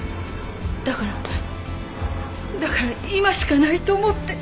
だからだから今しかないと思って。